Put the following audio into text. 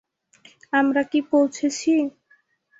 আমরা কি পোঁছেছি?